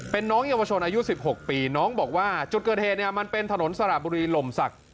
เป็นน้องเยาวชนอายุ๑๖ปีน้องบอกว่าจุดเกิดเหตุเนี่ยมันเป็นถนนสระบุรีหล่มศักดิ์